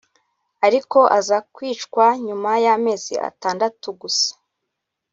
ariko aza kwicwa nyuma y’amezi atandatu gusa